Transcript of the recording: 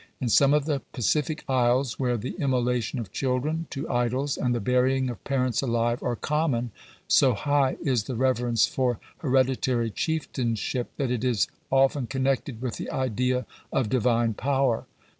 In some of the Pacific isles, where the immolation of children to idols, and the burying of parents alive, are common, " so high is the reverence for hereditary chieftainship that it is often connected with the idea of Divine power."